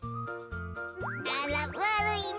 あらわるいね。